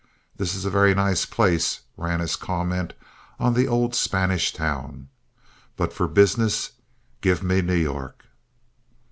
"This is a very nice place," ran his comment on the old Spanish town, "but for business give me New York."